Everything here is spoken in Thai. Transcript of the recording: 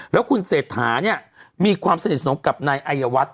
แล้วคุณเศรษฐาเนี่ยมีความสนิทสนมกับนายอายวัฒน์